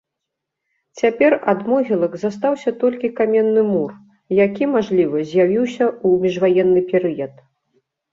Цяпер ад могілак застаўся толькі каменны мур, які, мажліва, з'явіўся ў міжваенны перыяд.